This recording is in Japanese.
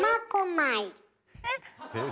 えっ。